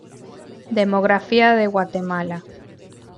Demografía de Guatemala